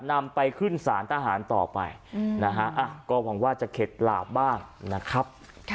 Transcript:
นำไปขึ้นสารทหารต่อไปนะฮะก็หวังว่าจะเข็ดหลาบบ้างนะครับ